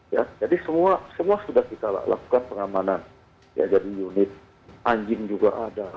ya jadi semua sudah kita lakukan pengamanan ya jadi unit anjing juga ada